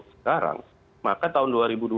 sekarang maka tahun dua ribu dua puluh